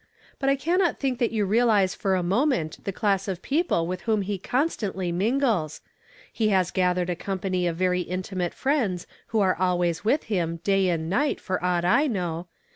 But I cannot think that you realize for a moment the class of people with whom he constantly mingles. He has gath ered a company of very intimate friends who are always with him, day and night, for aught I know.